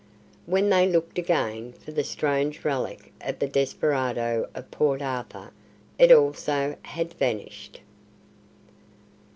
When they looked again for the strange relic of the desperado of Port Arthur, it also had vanished.